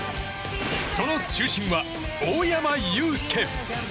その中心は大山悠輔。